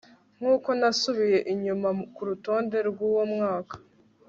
nkuko nasubiye inyuma kurutonde rwuwo mwaka